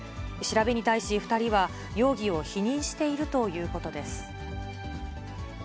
調べに対し、２人は容疑を否認しているということです。